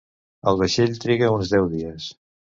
El vaixell triga uns deu dies.